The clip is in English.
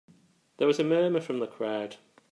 There was a murmur from the crowd.